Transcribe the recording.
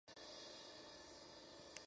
La carrera será contrarreloj.